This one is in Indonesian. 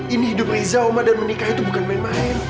ini hidup riza oma dan menikah itu bukan main main